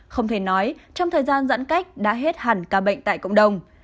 không thể nói trong thời gian giãn cách đã hết hẳn ca bệnh tại cộng đồng